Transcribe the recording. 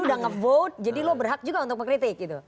lo udah ngevote jadi lo berhak juga untuk ngekritik gitu